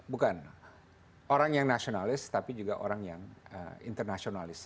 bukan orang yang nasionalis tapi juga orang yang internasionalis